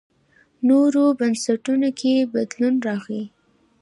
نورو بنسټونو کې بدلون راغی.